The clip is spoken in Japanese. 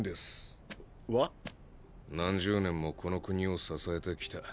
何十年もこの国を支えてきた。